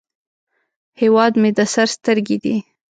هیواد مې د سر سترګې دي